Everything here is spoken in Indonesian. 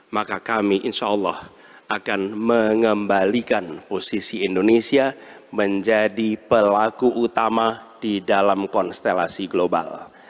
maka kami insya allah akan mengembalikan posisi indonesia menjadi pelaku utama di dalam konstelasi global